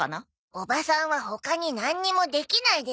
おばさんは他になんにもできないでしょ。